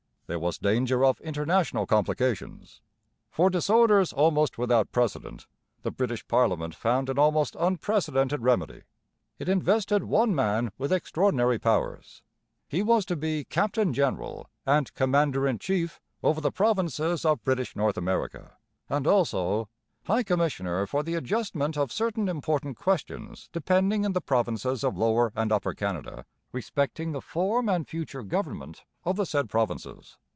There was danger of international complications. For disorders almost without precedent the British parliament found an almost unprecedented remedy. It invested one man with extraordinary powers. He was to be captain general and commander in chief over the provinces of British North America, and also 'High Commissioner for the adjustment of certain important questions depending in the ... Provinces of Lower and Upper Canada respecting the form and future government of the said Provinces.'